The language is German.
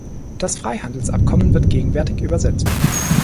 Das Freihandelsabkommen wird gegenwärtig übersetzt.